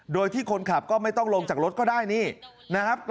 โดยที่คนขับก็ไม่ต้องลงจากรถก็ได้นี่นะครับ